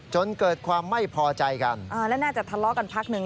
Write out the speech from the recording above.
จนเกิดความไม่พอใจกันและน่าจะทะเลาะกันพักหนึ่ง